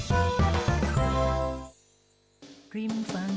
สวัสดีครับต้องสองท่านครับผม